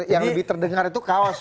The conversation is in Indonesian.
yang lebih terdengar itu kaos